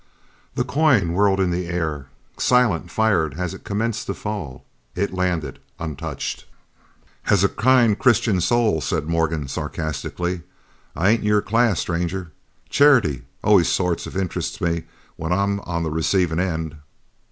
The coin whirled in the air. Silent fired as it commenced to fall it landed untouched. "As a kind, Christian soul," said Morgan sarcastically, "I ain't in your class, stranger. Charity always sort of interests me when I'm on the receivin' end!"